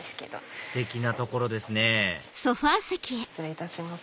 ステキな所ですね失礼いたします。